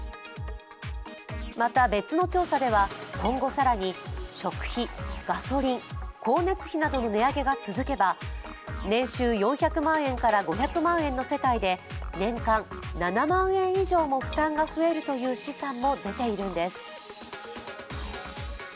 また、別の調査では今後更に食費、ガソリン、光熱費などの値上げが続けば年収４００万円から５００万円の世帯で年間７万円以上も負担が増えるという試算も出ているんです。